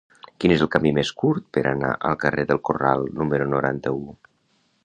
Quin és el camí més curt per anar al carrer del Corral número noranta-u?